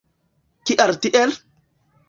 Kial tiel?